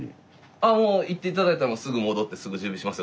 ああもう言っていただいたらすぐ戻ってすぐ準備しますよ。